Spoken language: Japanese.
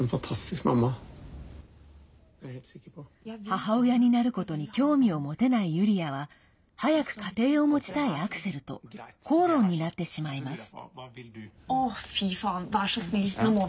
母親になることに興味を持てないユリアは早く家庭を持ちたいアクセルと口論になってしまいます。